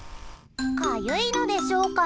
かゆいのでしょうか？